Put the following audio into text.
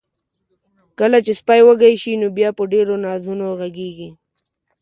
کله چې سپی وږي شي، نو بیا په ډیرو نازونو غږیږي.